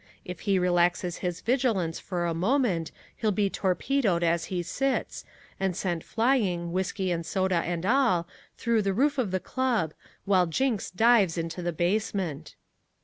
If he relaxes his vigilance for a moment he'll be torpedoed as he sits, and sent flying, whiskey and soda and all, through the roof of the club, while Jinks dives into the basement.